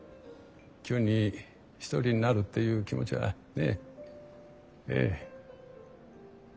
急に１人になるっていう気持ちはねえええ。